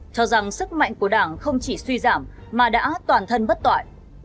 cho rằng sức mạnh của đảng không chỉ suy giảm mà đã toàn thân bất tỏi